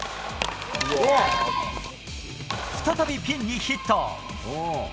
再びピンにヒット。